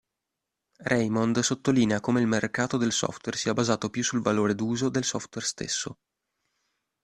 Raymond sottolinea come il mercato del software sia basato più sul valore d'uso del software stesso.